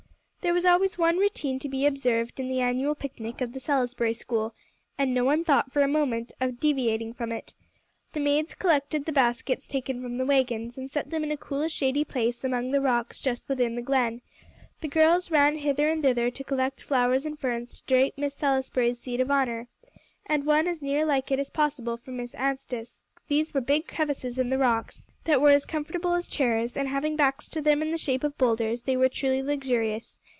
There was always one routine to be observed in the annual picnic of the "Salisbury School," and no one thought for a moment of deviating from it. The maids collected the baskets taken from the wagons, and set them in a cool, shady place among the rocks just within the Glen. The girls ran hither and thither to collect flowers and ferns to drape Miss Salisbury's seat of honor, and one as near like it as possible for Miss Anstice. These were big crevices in the rocks, that were as comfortable as chairs, and having backs to them in the shape of boulders, they were truly luxurious.